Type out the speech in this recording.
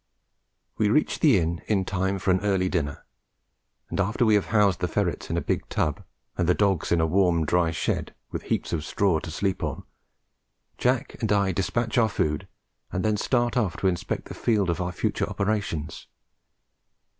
We reach the inn in time for an early dinner; and after we have housed the ferrets in a big tub and the dogs in a warm dry shed with heaps of straw to sleep on, Jack and I despatch our food and then start off to inspect the field of our future operations.